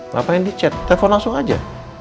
ngapain di chat telepon langsung aja